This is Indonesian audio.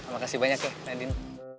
makasih banyak ya adin